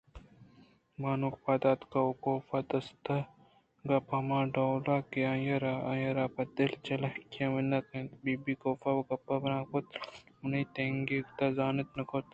بانک پاد اتک ءُکاف ءِ دستاں گپت ہما ڈول ءَ کہ آئی ءَ راپہ دل ءِ جہلانکی ءَ منت ءَ اِنت بی بی کاف ءَ گپ بنا کُت من تنیگتہ زانت نہ کُت